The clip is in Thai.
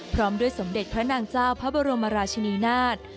พร้อมด้วยสมเด็จพระนางเจ้าพระบรมราชนีนาฏ